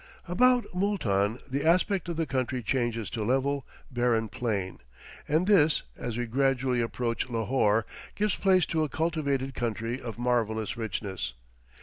About Mooltan the aspect of the country changes to level, barren plain, and this, as we gradually approach Lahore, gives place to a cultivated country of marvellous richness.